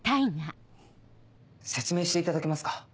説明していただけますか？